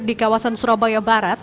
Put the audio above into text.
di kawasan surabaya barat